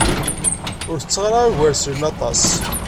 Ur ttetteɣ ara igersalen aṭas.